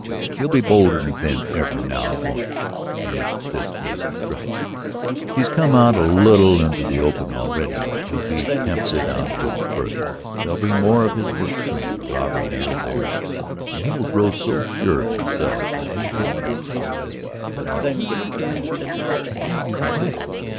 He'll be bolder than ever now, won't he, if this case is dropped? He's come out a little into the open already, he'll be tempted out a little farther. There'll be more of his work soon, a robbery here or there, and he will grow so sure of himself that he'll get careless. Then I'll get him." "But have you the right?"